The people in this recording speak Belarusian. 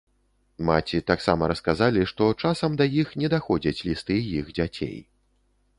Маці таксама расказалі, што часам да іх не даходзяць лісты іх дзяцей.